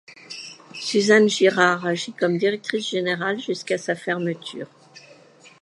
Suzanne Girard agit comme directrice générale jusqu'à sa fermeture.